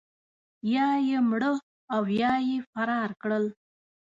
یا یې مړه او یا یې فرار کړل.